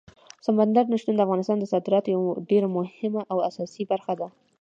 سمندر نه شتون د افغانستان د صادراتو یوه ډېره مهمه او اساسي برخه ده.